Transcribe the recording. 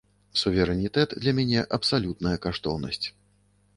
Суверэнітэт для мяне абсалютная каштоўнасць.